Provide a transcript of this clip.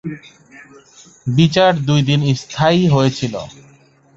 বিচার দুই দিন স্থায়ী হয়েছিল।